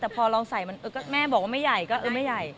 แต่พอลองใส่มันแม่บอกว่าไม่ใหญ่ก็เออไม่ใหญ่